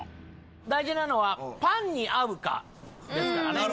大事なのはパンに合うかですからね。